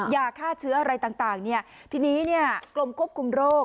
ยาฆ่าเชื้ออะไรต่างทีนี้กรมควบคุมโรค